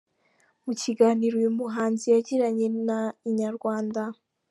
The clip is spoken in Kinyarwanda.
Mu kiganiro uyu muhanzi yagiranye na inyarwanda.